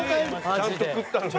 ちゃんと食ったのに。